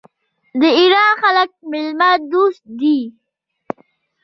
د ایران خلک میلمه دوست دي.